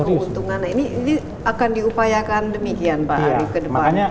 ini akan diupayakan demikian pak